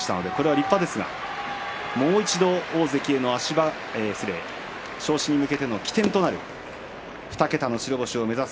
立派ですがもう一度大関昇進に向けての起点となる２桁の白星を目指す